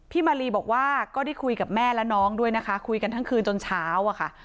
มาลีบอกว่าก็ได้คุยกับแม่และน้องด้วยนะคะคุยกันทั้งคืนจนเช้าอะค่ะ